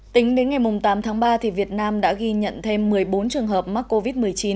tính đến ngày tám tháng ba việt nam đã ghi nhận thêm một mươi bốn trường hợp mắc covid một mươi chín